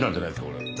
これ。